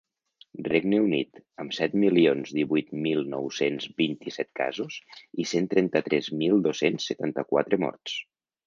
Regne Unit, amb set milions divuit mil nou-cents vint-i-set casos i cent trenta-tres mil dos-cents setanta-quatre morts.